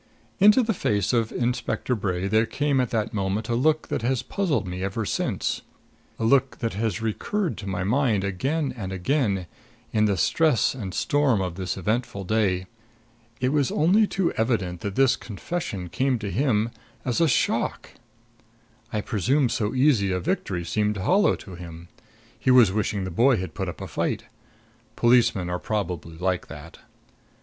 Into the face of Inspector Bray there came at that moment a look that has puzzling me ever since a look that has recurred to my mind again and again, in the stress and storm of this eventful day. It was only too evident that this confession came to him as a shock. I presume so easy a victory seemed hollow to him; he was wishing the boy had put up a fight. Policemen are probably like that.